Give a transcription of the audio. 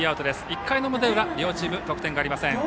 １回の表、裏両チーム得点ありません。